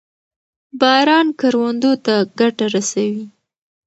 باران کروندو ته ګټه رسوي.